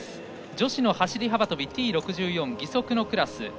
女子走り幅跳びＴ６４義足のクラス。